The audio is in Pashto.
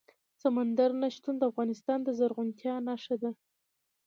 سمندر نه شتون د افغانستان د زرغونتیا نښه ده.